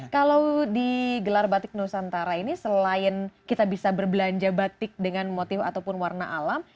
kalau di gelar batik nusantara ini selain kita bisa berbelanja batik dengan motif ataupun warna alam